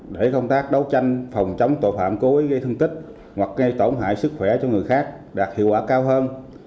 để công tác đấu tranh phòng chống tội phạm cố ý gây thương tích hoặc gây tổn hại sức khỏe cho người khác đạt hiệu quả cao hơn